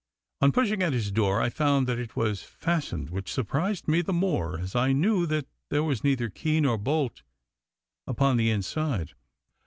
On pushing at his door, I found that it was fastened, which surprised me the more as I knew that there was neither key nor bolt upon the inside.